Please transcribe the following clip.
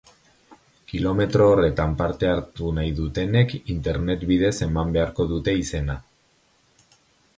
Kilometro horretan parte hartu nahi dutenek internet bidez eman beharko dute izena.